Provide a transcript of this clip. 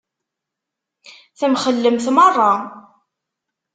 Temxellemt meṛṛa.